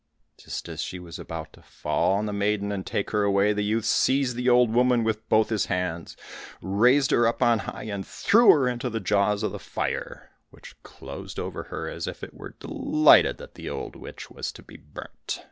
Just as she was about to fall on the maiden and take her away, the youth seized the old woman with both his hands, raised her up on high, and threw her into the jaws of the fire, which closed over her as if it were delighted that an old witch was to be burnt.